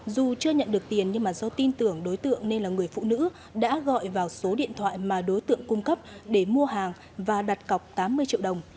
dù chưa nhận được tiền nhưng mà do tin tưởng đối tượng nên là người phụ nữ đã gọi vào số điện thoại mà đối tượng cung cấp để mua hàng và đặt cọc tám mươi triệu đồng